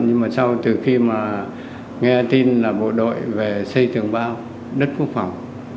nhưng mà sau từ khi mà nghe tin là bộ đội về xây tường bao đất quốc phòng